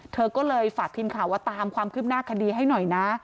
เธอก็เลยฝากทีมข่าวว่าตามความคืบหน้าคดีให้หน่อยนะ